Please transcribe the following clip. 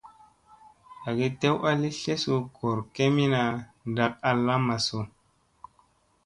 Agi tew a li tlesu goor kemina ɗak a lamma su ?